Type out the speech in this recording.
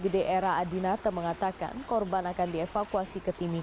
seperti yang bisa kita cuci ini